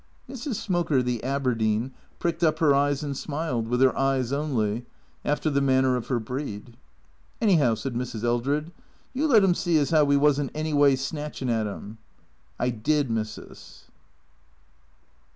Mrs. Smoker, the Aberdeen, pricked up her ears and smiled, with her eyes only, after the manner of her breed. " Anyhow," said Mrs. Eldred, " you let 'im see as 'ow we wasn't any way snatchin' at 'im?" " I did, missis."